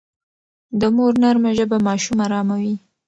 د مور نرمه ژبه ماشوم اراموي.